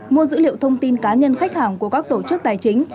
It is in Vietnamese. mua dữ liệu thông tin cá nhân khách hàng của các tổ chức tài chính